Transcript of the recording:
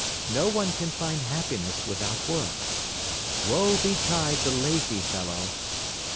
No one can find happiness without work. Woe betide the lazy fellow!